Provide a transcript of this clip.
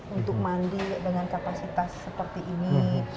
untuk mandi dengan kapasitas seperti ini